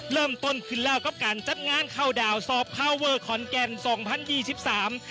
เริ่มต้นขึ้นแล้วกับการจัดงานเข้าดาวสอบคาวเวอร์ขอนแก่นสองพันยี่สิบสาม